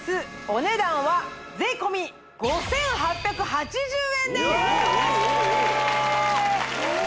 お値段は税込５８８０円でーすおー